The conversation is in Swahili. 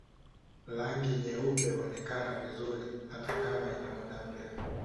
Rangi nyeupe huonekana vizuri hata kama ina muda mrefu